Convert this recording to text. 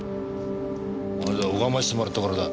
まずは拝ませてもらってからだ。